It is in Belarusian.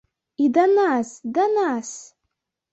І да нас, да нас!